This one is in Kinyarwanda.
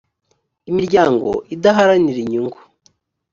imiryango idaharanira inyungu